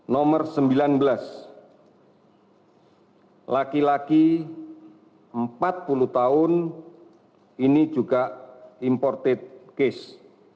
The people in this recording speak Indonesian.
nomor sembilan belas laki laki empat puluh tahun ini juga imported case